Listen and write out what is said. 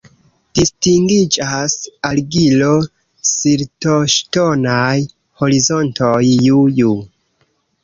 Distingiĝas argilo-siltoŝtonaj horizontoj Ju-Ju.